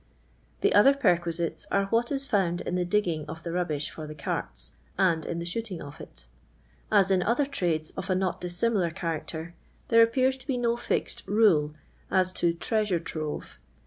The other perquisites are what is found in the digiiin^f of the rubbish for the carts and in the sh<»oting of it. As in other ti ades of a not dissimilar character, there appears to be no fixed rule as to "treasure trove."